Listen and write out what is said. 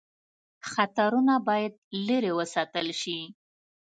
خطرونه باید لیري وساتل شي.